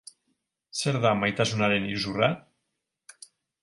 Zer da maitasunaren iruzurra?